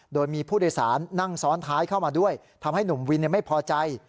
โดยมีผู้โดยสารนั่งซ้อนท้ายเข้ามาด้วยทำให้หนุ่มวินไม่พอใจ